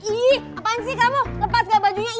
ih kapan sih kamu lepas gak bajunya